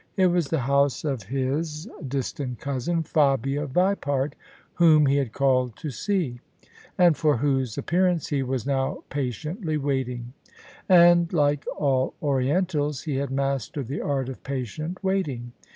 It was the house of his dis THE SUBJECTION tant cousin, Fabia Vipart, whom he had called to see: and for whose appearance he was now patiently waiting. And, like all Orientals, he had mastered the art of patient wait ing.